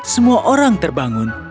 semua orang terbangun